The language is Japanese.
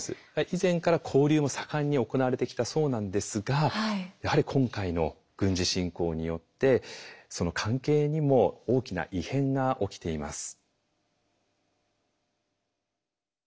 以前から交流も盛んに行われてきたそうなんですがやはり今回の軍事侵攻によってその関係にも大きな異変が起きています。